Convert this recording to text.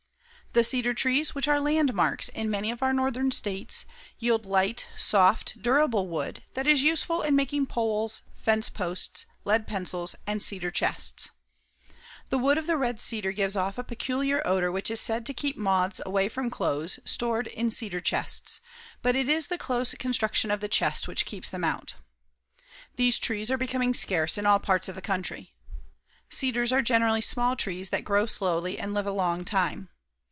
The cedar trees, which are landmarks in many of our northern states, yield light, soft, durable wood that is useful in making poles, fence posts, lead pencils and cedar chests. The wood of the red cedar gives off a peculiar odor which is said to keep moths away from clothes stored in cedar chests, but it is the close construction of the chest which keeps them out. These trees are becoming scarce in all parts of the country. Cedars generally are small trees that grow slowly and live a long time.